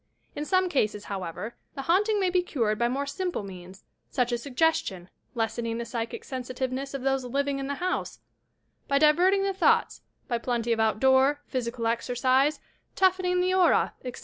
In some eases, however, the haunting may be cured by more simple means, — such as suggestion, lessening the psychic sensitiveness of those living in the house — by diverting the thoughts, by plenty o£ outdoor, physi cal exercise, toughening the aura, etc.